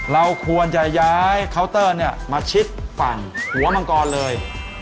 เราควรจะย้ายเคาน์เตอร์มาชิดฝั่งหัวมังกรเลย